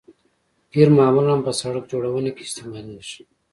قیر معمولاً په سرک جوړونه کې استعمالیږي